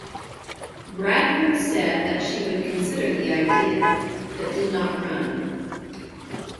Bradford said that she would consider the idea but did not run.